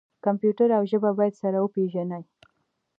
کمپیوټر او ژبه باید سره وپیژني.